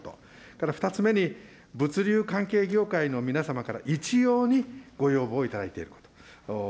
それから２つ目に、物流関係業界の皆様から、一様にご要望いただいていること。